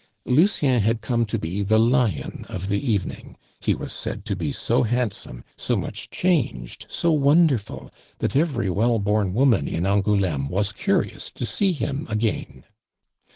Lucien had come to be the lion of the evening; he was said to be so handsome, so much changed, so wonderful, that every well born woman in Angouleme was curious to see him again.